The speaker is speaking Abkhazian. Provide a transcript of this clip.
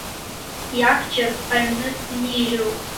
Иабџьар аҩны инижьроуп.